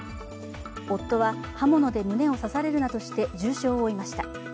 夫は刃物で胸を刺されるなどして重傷を負いました。